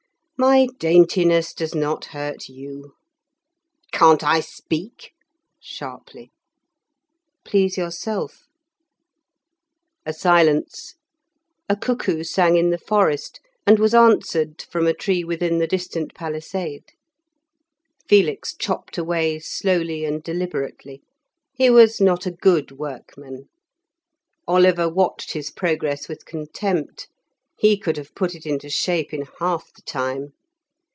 "My daintiness does not hurt you." "Can't I speak?" (sharply) "Please yourself." A silence. A cuckoo sang in the forest, and was answered from a tree within the distant palisade. Felix chopped away slowly and deliberately; he was not a good workman. Oliver watched his progress with contempt; he could have put it into shape in half the time.